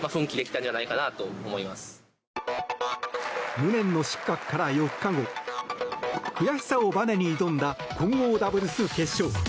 無念の失格から４日後悔しさをばねに挑んだ混合ダブルス決勝。